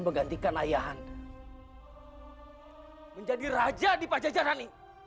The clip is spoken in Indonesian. dosa deh sudah tahu kan